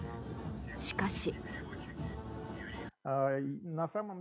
しかし。